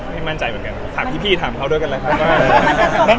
ไม่มั่นใจเหมือนกันขอบพี่ถามเขาด้วยกันแหละ